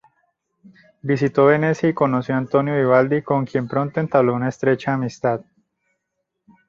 Visitó Venecia y conoció a Antonio Vivaldi con quien pronto entabló una estrecha amistad.